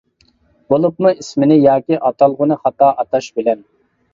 بولۇپمۇ ئىسىمنى ياكى ئاتالغۇنى خاتا ئاتاش بىلەن.